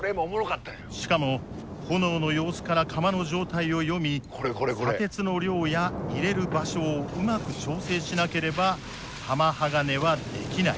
しかも炎の様子から釜の状態を読み砂鉄の量や入れる場所をうまく調整しなければ玉鋼はできない。